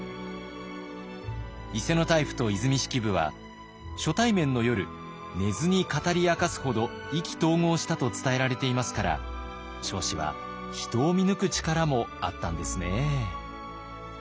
伊勢大輔と和泉式部は初対面の夜寝ずに語り明かすほど意気投合したと伝えられていますから彰子は人を見抜く力もあったんですね。